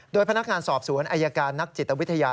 โดยพนักงานสอบสวนอายการนักจิตวิทยา